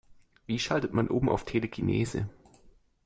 Wie schaltet man um auf Telekinese?